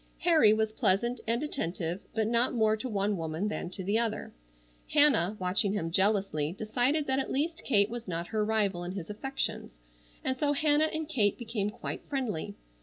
Harry was pleasant and attentive, but not more to one woman than to the other. Hannah, watching him jealously, decided that at least Kate was not her rival in his affections, and so Hannah and Kate became quite friendly.